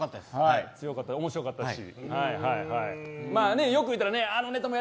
面白かったし。